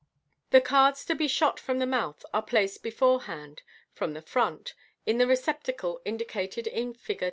The cards to be shot from the mouth are placed be forehand (from the front) in the receptacle indicat ed in Fig.